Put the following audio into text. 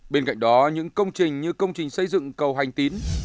bên cạnh đó những công trình như công trình xây dựng cầu hành tín